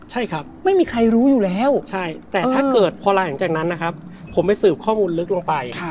ใช่ครับไม่มีใครรู้อยู่แล้วแต่ถ้าเกิดพอหลังจากนั้นนะครับผมไปสืบข้อมูลลึกลงไป